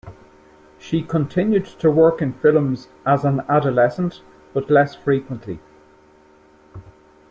She continued to work in films as an adolescent, but less frequently.